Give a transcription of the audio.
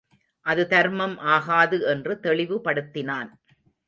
அது தர்மம் ஆகாது என்று தெளிவுபடுத்தினான்.